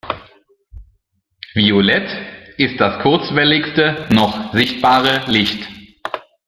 Violett ist das kurzwelligste noch sichtbare Licht.